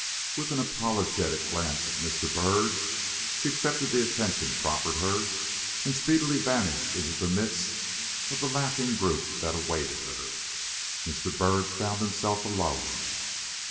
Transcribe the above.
With an apologetic glance at Mr. Byrd, she accepted the attention proffered her, and speedily vanished into the midst of the laughing group that awaited her. Mr. Byrd found himself alone.